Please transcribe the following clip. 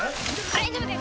大丈夫です